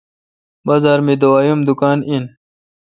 بازار می دوای ام دکان این۔